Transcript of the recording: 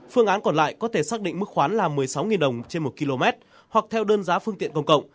phương án còn lại có thể xác định mức khoán là một mươi sáu đồng trên một km hoặc theo đơn giá phương tiện công cộng